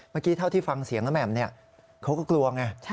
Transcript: เมื่อกี้เท่าที่ฟังเสียงน้ำแหม่มเนี่ยเขาก็กลัวไง